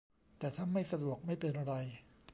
แต่ถ้าไม่สะดวกไม่เป็นไร